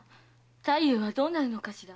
太夫はどうなるのかしら？